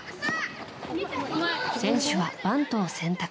選手はバントを選択。